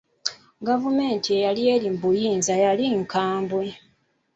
Gavumenti eyali eri mu buyinza yali nkambwe.